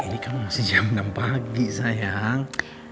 ini kan masih jam enam pagi sayang